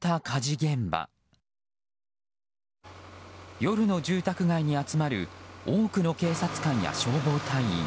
夜の住宅街に集まる多くの警察官や消防隊員。